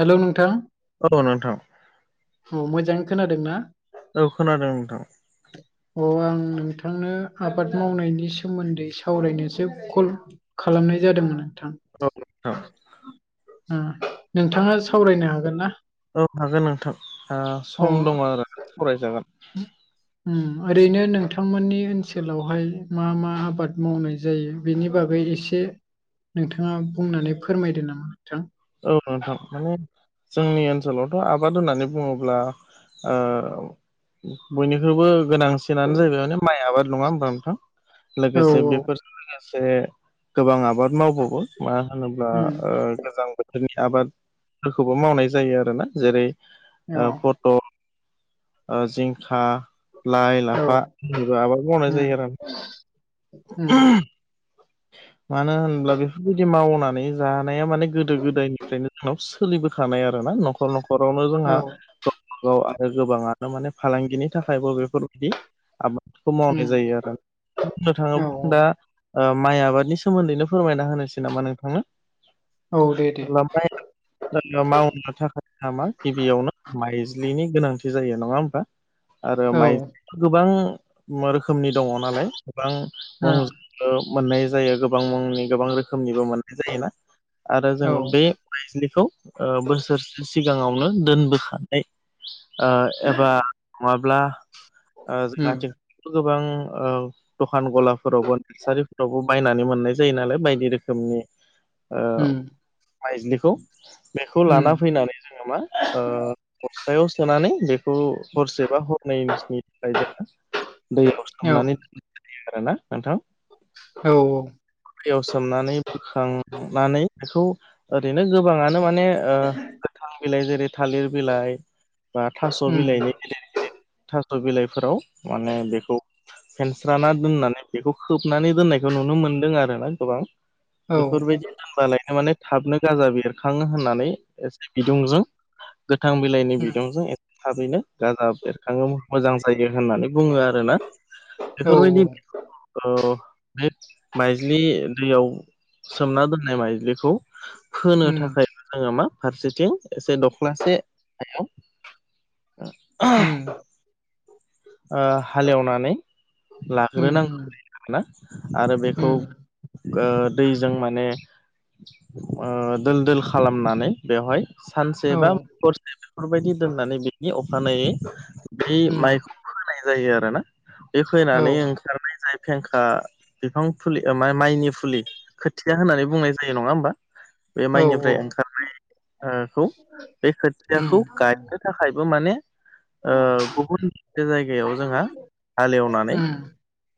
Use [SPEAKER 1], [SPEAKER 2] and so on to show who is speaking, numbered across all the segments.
[SPEAKER 1] Hello नोंथां
[SPEAKER 2] औ नोंथां
[SPEAKER 1] औ मोजाङै खोनादोंना?
[SPEAKER 2] औ खोनादों नोंथां
[SPEAKER 1] [inaudible] अ आं नोंथांनो आबाद मावनायनि सोमोनदै सावरायनोसो कल खालामनाय जादोंमोन नोंथां।
[SPEAKER 2] औ नोंथां
[SPEAKER 1] ओम नोंथाङा सावरायनो हागोन ना?
[SPEAKER 2] औ हागोन नोंथां आ
[SPEAKER 1] अ
[SPEAKER 2] सम दङ' आरो सावराय जागोन।
[SPEAKER 1] [inaudible] उम ओरैनो नोंथांमोननि ओनसोलावहाय मा मा आबाद मावनाय जायो बेनि बागै एसे एसे नोंथाङा बुंनानै फोरमायदो नामा नोंथां।
[SPEAKER 2] औ नोंथां माने जोंनि ओनसोलावथ' आबाद होननानै बुङोब्ला ओ बयनिख्रुइबो गोनांसिनानो जाहैबाय माने माइ आबाद नङा होमबा नोंथां
[SPEAKER 1] औ
[SPEAKER 2] लोगोसे बेफोर लोगोसे गोबां आबाद मावबावो मा होनोब्ला
[SPEAKER 1] उम
[SPEAKER 2] ओ गोजां बोथोर नि आबादफोरखौबो मावनाय जायो आरोना जेरै
[SPEAKER 1] औ
[SPEAKER 2] फटल ओ जिंखा लाइ
[SPEAKER 1] औ
[SPEAKER 2] लाफानिबो आबाद मावनाय जायो आरो
[SPEAKER 1] ओम
[SPEAKER 2] मानो होनब्ला बेफोरबायदि मावनानै जानाया माने गोदो गोदायनिफ्रायनो जोंनाव सोलिबोखानाय आरो ना न'खर न'खरावनो
[SPEAKER 1] औ
[SPEAKER 2] जोंहा आरो गोबाङानो माने फालांगिनि थाखायबो बेफोरबायदि आबादखौ
[SPEAKER 1] उम
[SPEAKER 2] मावनाय जायो आरो। बुंनो
[SPEAKER 1] औ
[SPEAKER 2] थाङोब्ला दा ओ माइ आबादनि सोमोनदैनो फोरमायना होनोसै नामा नोंथांनो?
[SPEAKER 1] औ दे दे
[SPEAKER 2] [unintelligible] मावनो थाखाय नामा गिबियावनो माइज्लिनि गोनांथि जायो नङा होमबा आरो
[SPEAKER 1] औ
[SPEAKER 2] माइज्लि गोबां रोखोमनि दङ' नालाय
[SPEAKER 1] ओ
[SPEAKER 2] गोबां मोननाय जायो गोबां मुंनि गोबां रोखोमनिबो मोननाय जायोना आरो
[SPEAKER 1] औ
[SPEAKER 2] जोङो बे माइज्लिखौ ओ बोसोरसे सिगाङावनो दोनबोखा- नानै ओ एबा नङाब्ला
[SPEAKER 1] उम
[SPEAKER 2] जोंहा गोबां ओ दखान गलाफोरावबो नारसारिफोर फोरावबो बायनानै मोननाय जायो नालाय बायदि रोखोमनि ओ
[SPEAKER 1] उम
[SPEAKER 2] माइज्लिखौ बेखौ
[SPEAKER 1] उम
[SPEAKER 2] लाना फैनानै जोङो मा ओ बस्थायाव सोनानै बेखौ हरसे बा हरनैनि थाखाय जोङो दैयाव
[SPEAKER 1] औ
[SPEAKER 2] सोमनानै दोननाय जायो आरोना नोंथां
[SPEAKER 1] औ औ
[SPEAKER 2] दैयाव सोमनानै बोखांनानै बेखौ ओरैनो गोबांआनो माने ओ गोथां बिलाइ जेरै थालिर बिलाइ बा थास'
[SPEAKER 1] उम
[SPEAKER 2] बिलाइनि गिदिर गिदिर थास' बिलाइफोराव माने बेखौ फेनस्राना दोननानै बेखौ खोबनानै दोननायखौ खौ नुनो मोनदों आरोना गोबां
[SPEAKER 1] औ
[SPEAKER 2] बेफोरबायदि दोनबालायनो माने थाबनो गाजा बेरो खाङो होननानै एसे बिदुंजों गोथां बिलाइनि
[SPEAKER 1] उम
[SPEAKER 2] बिदुंजों थाबैनो ओ गाजा बेरखाङो मोजां जायो होननानै बुङो आरोना
[SPEAKER 1] औ
[SPEAKER 2] बेफोरबायदि औ बे माइज्लि दैयाव सोमना दोननाय माइज्लिखौ फोनो
[SPEAKER 1] उम
[SPEAKER 2] थाखाय जोङो मा फारसेथिं एसे दख'नासे हाआव
[SPEAKER 1] उम
[SPEAKER 2] ओ हालेवनानै
[SPEAKER 1] उम उम
[SPEAKER 2] लाग्रोनांगौ होना आरो बेखौ
[SPEAKER 1] उम
[SPEAKER 2] ओ‌ दैजों माने ओ दोल दोल खालामनानै बेवहाय सानसे
[SPEAKER 1] औ
[SPEAKER 2] बा हरसे बेफोरबायदि दोननानै बेनि अखानायै बै
[SPEAKER 1] उम
[SPEAKER 2] माइखौ फोनाय जायो आरो ना बे
[SPEAKER 1] औ
[SPEAKER 2] फोनानै ओंखारनाय जाय फेंखा बिफां फुलि ओ माइ माइनि फुलि खोथिआ होननानै बुंनाय जायो नङा होमबा बे
[SPEAKER 1] औ
[SPEAKER 2] माइनिफ्राय ओंखारनाय ओखौ बे
[SPEAKER 1] उम
[SPEAKER 2] खोथियाखौ गायनो थाखायबो माने ओ गुबुन मोनसे जायगायाव जोंहा हालेवनानै
[SPEAKER 1] उम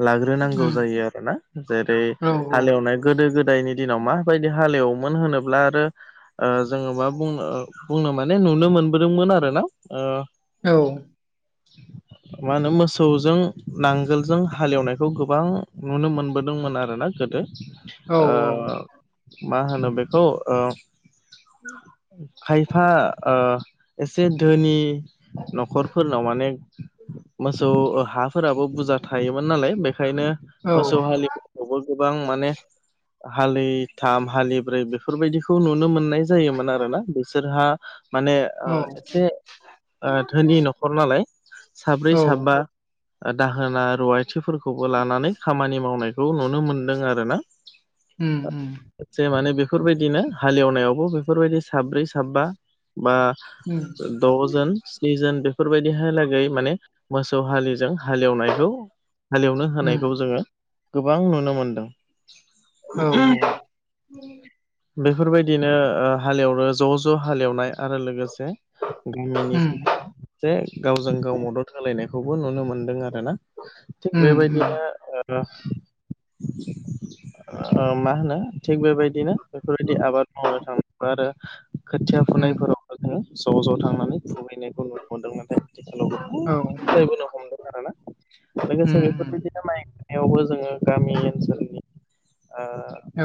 [SPEAKER 2] लाग्रोनांगौ जायो आरो ना जेरै
[SPEAKER 1] उम औ
[SPEAKER 2] हालेवनाय गोदो गोदायनि दिनाव माबायदि हालेवोमोन होनोब्ला आरो ओ जोंङो मा बुंनो बुंनो माने नुनो मोनबोदोंमोन आरो ना ओ
[SPEAKER 1] औ [inaudible]
[SPEAKER 2] मा होनो मोसौजों नांगोलजों हालेवनायखौ गोबां नुनो मोनबोदोंमोन आरोना गोदो
[SPEAKER 1] [inaudible]
[SPEAKER 2] ओ
[SPEAKER 1] औ
[SPEAKER 2] मा होनो बेखौ ओ खायफा ओ एसे धोनि न'खरफोरनाव माने मोसौ ओ हाफोराबो बुरजा थायोमोन नालाय बेखायनो मोसौ हा हालिखौबो गोबां माने हालिथाम हालिब्रै बेफोरबायदिखौ नुनो मोननाय जायोमोन आरोना बिसोरहा माने ओ एसे धोनि न'खर नालाय साब्रै साबा ओ दाहोना रुवाय मानसिफोरखौबो लानानै खामानि मावनायखौ नुनो मोन्दों आरो ना
[SPEAKER 1] उम उम
[SPEAKER 2] जे माने बेफोरबायदिनो हालेवनायावबो बेफोरबायदि साब्रै साबा बा
[SPEAKER 1] उम
[SPEAKER 2] द'जोन स्निजोन बेफोरबायदि हायलागै माने मोसौ हालिजों हालेवनायखौ हालेवनो
[SPEAKER 1] उम
[SPEAKER 2] होनायखौ जोंङो गोबां नुनो मोनदों
[SPEAKER 1] औ
[SPEAKER 2] उम
[SPEAKER 1] औ
[SPEAKER 2] बेफोरबायदिनो ओ हालेवो ज' ज' हालेवनाय आरो लोगोसे गामिनि
[SPEAKER 1] उम
[SPEAKER 2] गाव [inaudible] जों गाव मदद होलायनायखौबो नुनो मोनदों आरो ना
[SPEAKER 1] उम
[SPEAKER 2] थिग
[SPEAKER 1] उम
[SPEAKER 2] बेबायदिनो ओ ओ ओ मा होनो थिग बेबायदिनो बेफोरबायदि आबाद मावनो थाङोब्ला आरो खोथिया
[SPEAKER 1] उम
[SPEAKER 2] फुनायफोराव जोङो ज' ज' थांनानै फुहैनायखौ नुनो मोनदों नाथाय आथिखालाव
[SPEAKER 1] औ
[SPEAKER 2] गोबां
[SPEAKER 1] उम औ
[SPEAKER 2] सोलायबोनो हमदों आरोना लोगोसे
[SPEAKER 1] उम
[SPEAKER 2] बेफोरबायदिनो नायनायावबो जोङो गामि ओनसोलनि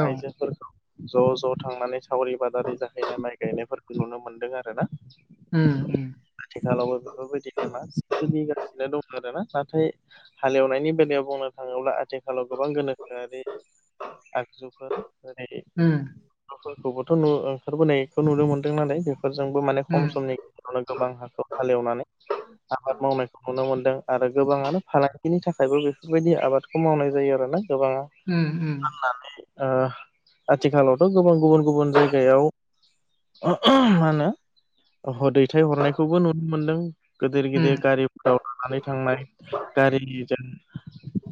[SPEAKER 1] उम
[SPEAKER 2] आइजोफोरखौ ज' ज' थांनानै सावरि बादालि जाहैनाय माइ गायनायफोरखौ नुनो मोनदों आरोना
[SPEAKER 1] उम उम
[SPEAKER 2] आथिखालावबो बेफोरबायदि मा सोलि गासिनो दं आरोना नाथाय हालेवनायनि बेलायाव बुंनो थाङोब्ला आथिखालाव गोबां गोनोखोआरि आगजुफोर जेरै
[SPEAKER 1] उम
[SPEAKER 2] नफोरखौबोथ नु ओंखारबोनायखौ नुनो मोनदों नालाय बेफोरजोंबो माने
[SPEAKER 1] उम
[SPEAKER 2] खम समनि गोबां हाखौ हालेवनानै
[SPEAKER 1] [inaudible]
[SPEAKER 2] आबाद मावनायखौ नुनो मोनदों आरो गोबाङानो फालांगिनि थाखायबो बेफोरबायदि आबाद मावनाय जायो आरोना गोबांङा
[SPEAKER 1] उम उम
[SPEAKER 2] होननानै ओ आथिखालावथ गोबां गुबुन गुबुन जायगायाव मा होनो दैथाय हरनायखौबो नुनो मोनदों गिदिर
[SPEAKER 1] उम
[SPEAKER 2] गिदिर गारिफोराव लानानै थांनाय गारिजों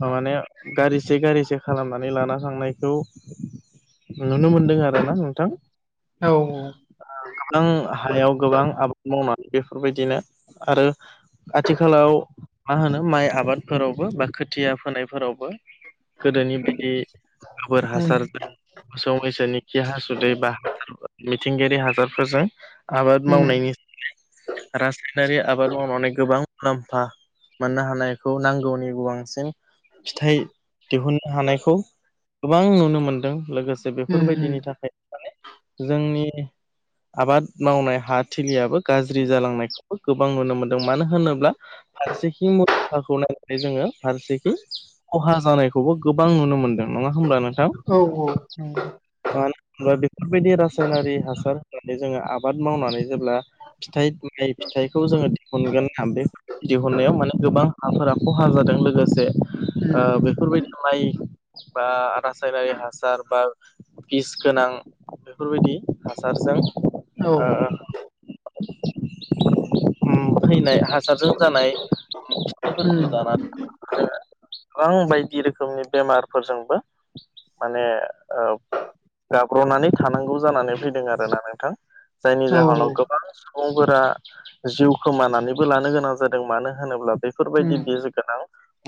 [SPEAKER 2] माबानाया गारिसे गारिसे खालामनानै लाना थांनायखौ नुनो मोनदों आरोना नोंथां
[SPEAKER 1] औ
[SPEAKER 2] गोबां हायाव गोबां आबाद मावनानै बेफोरबायदिनो आरो आथिखालाव मा होनो माइ आबादफोरावबो बा खोथिया फोनायफोरावबो गोदोनि बायदि
[SPEAKER 1] औ
[SPEAKER 2] गोबोर
[SPEAKER 1] उम
[SPEAKER 2] हासारजों मोसौ मैसोनि खि हासुदै बा मिथिंगायारि हासारफोरजों आबाद
[SPEAKER 1] उम
[SPEAKER 2] मावनायनि राज नारि आबाद मावनानै गोबां मुलाम्फा मोननो हानायखौ नांगौनि बांसिन फिथाइ दिहुननो हानायखौ गोबां नुनो मोनदों लोगोसे जे बेफोरबायदिनि थाखाय माने जोंनि आबाद मावनाय हा थिलियाबो गाज्रि जालांनायखौ गोबां नुनो मोनदों मानो होनोब्ला फारसेखै मुलमफाखौ नायनानै जोङो फारसेखै खहा जानायखौबो गोबां नुनो मोनदों नङा होमब्ला नोंथां
[SPEAKER 1] औ औ नंगौ
[SPEAKER 2] होमबा बेफोरबायदि रासायनारि हासार होनानै जोङो आबाद मावनानै जेब्ला फिथाइ दिहुननो हायो फिथाइखौ जोङो दिहुनगोन बे दिहुननायाव माने गोबां हाफोरा खहा जादों लोगोसे ओ
[SPEAKER 1] उम
[SPEAKER 2] बेफोरबायदि माइ बा रासायनारि हासार बा बिस गोनां बेफोरबायदि हासारजों
[SPEAKER 1] औ
[SPEAKER 2] ओ
[SPEAKER 1] [inaudible]
[SPEAKER 2] फैनाय हासारजों जानाय
[SPEAKER 1] उम
[SPEAKER 2] फिथाइफोरखौ
[SPEAKER 1] औ
[SPEAKER 2] जानानै जोङो गोबां बायदि रोखोमनि बेमारफोरजोंबो माने ओ गाब्रनानै थानांगौ जानानै फैदों आरोना नोंथां जायनि
[SPEAKER 1] औ
[SPEAKER 2] जाहोनाव गोबां सुबुंफोरा जिउ खोमानानैबो लानो गोनां जादों मानो होनोब्ला
[SPEAKER 1] उम
[SPEAKER 2] बेफोरबायदि बिस गोनां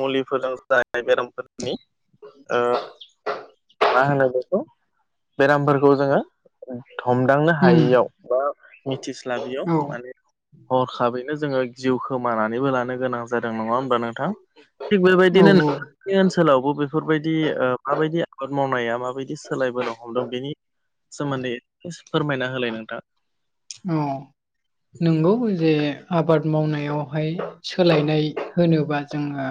[SPEAKER 2] मुलिफोरजों जानाय बेरामफोरनि ओ मा होनो बेखौ बेरामफोरखौ जोङो हमदांनो
[SPEAKER 1] उम
[SPEAKER 2] हायैयाव बा मिथिस्लाबैयाव
[SPEAKER 1] औ
[SPEAKER 2] माने हरखाबैनो जोङो जिउ खोमानानैबो लानो गोनां जादों नङा होमबा नोंथां थिग
[SPEAKER 1] औ
[SPEAKER 2] बेबायदि नोंथां ओनसोलावबो बेफोरबायदि माबायदि आबाद मावनाया माबायदि सोलायबोनो हमदों बेनि सोमोन्दै फोरमायना होलाय नोंथां
[SPEAKER 1] औ नंगौ जे आबाद मावनायावहाय सोलायनाय होनोबा जोङो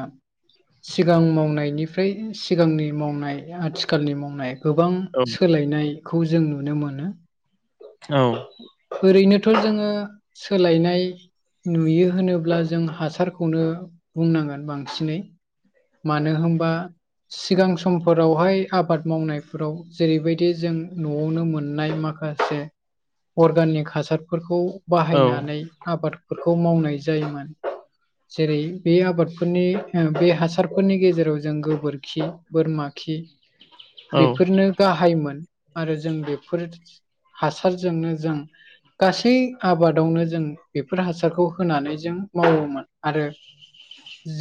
[SPEAKER 1] सिगां मावनायनिफ्राय सिगांनि मावनाय आथिखालनि मावनाय गोबां
[SPEAKER 2] औ
[SPEAKER 1] सोलायनायखौ जों नुनो मोनो।
[SPEAKER 2] औ
[SPEAKER 1] ओरैनोथ' जोङो सोलायनाय नुयो होनोब्ला जों हासारखौनो बुंनांगोन बांसिनै मानो होनबा सिगां समफोरावहाय आबाद मावनायफोराव जेरैबायदि जों न'आवनो मोननाय माखासे खासे अर्गानिक हासारफोरखौ
[SPEAKER 2] औ
[SPEAKER 1] बाहायनानै आबादफोरखौ मावनाय जायोमोन। जेरै बे आबादफोरनि बे हासारफोरनि गेजेराव जों गोबोरखि बोरमा खि
[SPEAKER 2] औ
[SPEAKER 1] बेफोरनो गाहायमोन आरो जों बेफोर फोरजोंनो जों गासै आबादावनो जों बेफोर हासारखौ होनानै जों मावोमोन आरो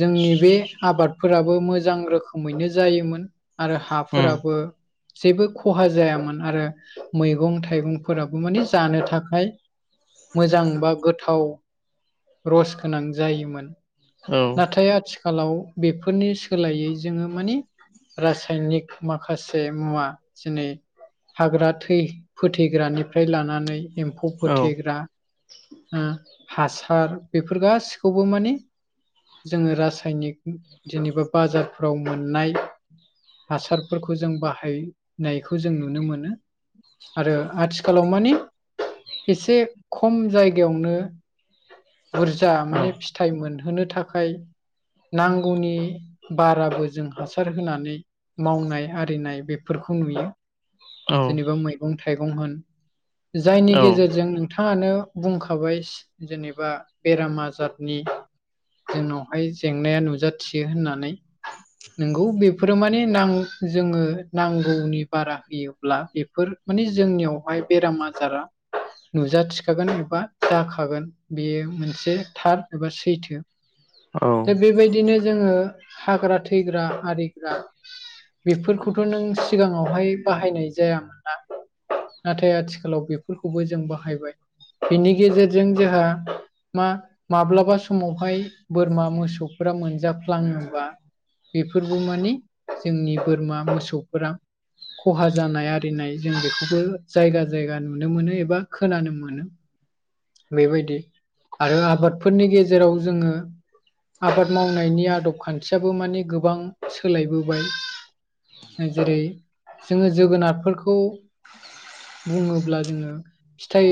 [SPEAKER 1] जोंनि बे आबादफोराबो मोजां रोखोमैनो जायोमोन आरो हा
[SPEAKER 2] उम
[SPEAKER 1] हाफोराबो जेबो खहा जायामोन आरो मैगं थाइगं फोराबो माने जानो थाखाय मोजां बा गोथाव रस गोनां जायोमोन
[SPEAKER 2] औ
[SPEAKER 1] नाथाय आथि खालाव बेफोरनि सोलायै जोङो माने रासायनिक माखासे मुवा जनै हाग्रा थै फोथै ग्रानिफ्राय लानानै एम्फौ
[SPEAKER 2] औ
[SPEAKER 1] फोथेग्रा हा हासार बेफोर गासिखौबो माने जोङो रासायनिक जेनेबा बाजारफ्राव मोननाय हासारफोरखौ जों बाहायनायखौ जों नुनो मोनो आरो आथिखालाव मानि एसे खम जायगायावनो बुरजा
[SPEAKER 2] औ
[SPEAKER 1] माने फिथाइ मोनहोनो थाखाय नांगौनि बाराबो जों हासार होनानै मावनाय आरिनाय बेफोरखौ नुयो
[SPEAKER 2] औ
[SPEAKER 1] जेनेबा मैगं थाइगं होन जायनि
[SPEAKER 2] औ
[SPEAKER 1] गेजेरजों नोंथाङानो बुंखाबाय जेनेबा बेराम आजारनि जोंनावहाय जेंनाया नुजाथियो होननानै नोंगौ बेफोरो माने जोङो नांगौनि बारा होयोब्ला बेफोर माने जोंनियावहाय बेराम आजारा नुजाथिखागोन एबा जाखागोन बेयो मोनसे थार एबा सैथो
[SPEAKER 2] औ
[SPEAKER 1] दा बेबायदिनो जोङो हाग्रा थैग्रा आरिग्रा बेफोरखौथ' नों सिगाङावहाय बाहायनाय जायामोन नाथाय आथिखालाव बेफोरखौबो जों बाहायबाय बिनि गेजेरजों जोंहा मा माब्लाबा समावहाय बोरमा मोसौफोरा मोनजाफ्लाङोबा बेफोरबो माने जोंनि बोरमा मोसौफोरा खहा जानाय आरि रिनाय जों बेखौबो जायगा जायगा नुनो मोनो एबा खोनानो मोनो बेबायदि आरो आबादफोरनि गेजेराव जोङो आबाद मावनायनि आदब खानथियाबो माने गोबां सोलायबोबाय जेरै जोङो जोगोनारफोरखौ खौ बुङोब्ला जोङो फिथाइ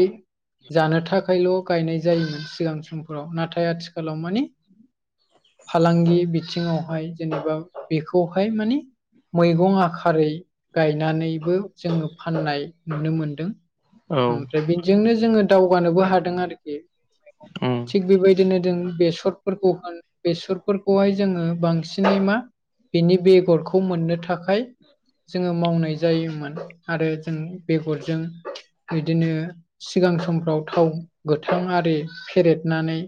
[SPEAKER 1] जानो थाखायल' गायनाय जायोमोन सिगां समफोराव नाथाय आथिखालाव मानि फालांगि बिथिङावहाय जेनेबा बेखौहाय माने मैगं आ खारै गायनानैबो जोङो फाननाय नुनो मोनदों
[SPEAKER 2] औ
[SPEAKER 1] ओमफ्रा बेजोंनो जोङो दावगानोबो हादों आरो।
[SPEAKER 2] उम
[SPEAKER 1] थिग बेबायदिनो जों बेसरफोरखौ बेसरफोरखौहाय जोङो बांसिनै मा बिनि बेगरखौ मोननो थाखाय। जोङो मावनाय जायोमोन आरो जों बेगरजों बिदिनो सिगां समफ्राव थाव गोथां आरि फेरेदनानै।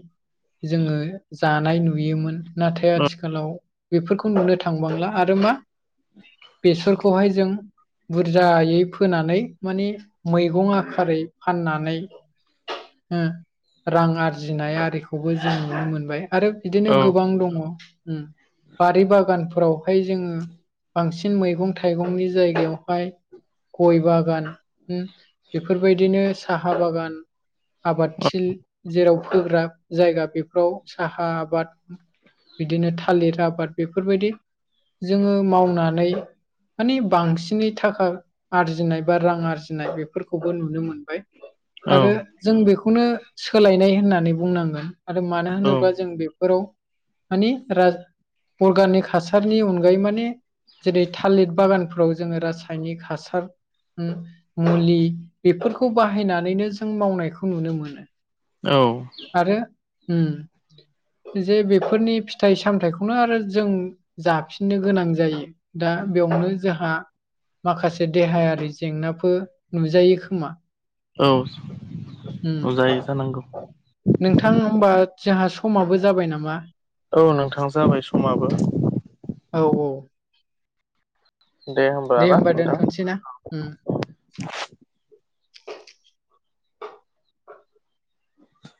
[SPEAKER 1] जोङो जानाय नुयोमोन नाथाय
[SPEAKER 2] औ
[SPEAKER 1] आथिखालाव। बेफोरखौ नुनो थांबांला आरो मा बेसरखौहाय जों बुरजायै फोनानै माने मैगं आखारै फाननानै। ओम रां आरजिनाय आरिखौबो जों नुनो मोनबाय आरो बिदिनो
[SPEAKER 2] औ
[SPEAKER 1] गोबां दङ ओम। बारि बागानफोरावहाय जोङो बांसिन मैगं-थाइगंनि जायगायावहाय गय बागान हो बेफोरबायदिनो साहा बागान आबादथिल जेराव फोग्रा जायगा बेफोराव साहा आबाद बिदिनो थालिर आबाद बेफोरबादि जोङो मावनानै माने बांसिनै थाखा आरजिनाय बा रां आरजिनाय बेफोरखौबो नुनो मोनबाय आरो। जों बेखौनो सोलायनाय होननानै बुंनांगोन आरो मानो होनोबा जों बेफोराव आ राज अर्गानिक हासारनि अनगायै माने जेरै थालिर बागानफोराव जोङो रासायनिक हासा ओम हासार ओम मुलि बेफोरखौ बाहायनानैनो जों मावनायखौ नुनो मोनो।
[SPEAKER 2] औ।
[SPEAKER 1] आरो ओम। जे बेफोरनि फिथाइ सामथायाइखौनो आरो जों जाफिननो गोनां जायो। दा बेयावनो जोंहा माखासे से देहायारि जेंनाफोर नुजायो खोमा।
[SPEAKER 2] औ
[SPEAKER 1] उम
[SPEAKER 2] औ जायो जानांगौ
[SPEAKER 1] नोंथां होमबा जोंहा समाबो जाबाय नामा?
[SPEAKER 2] औ नोंथां जाबाय समाबो।
[SPEAKER 1] औ औ।
[SPEAKER 2] होमब्ला
[SPEAKER 1] दे
[SPEAKER 2] ना
[SPEAKER 1] होमबा
[SPEAKER 2] नोंथां
[SPEAKER 1] दोनथ'नोसै ना ओम।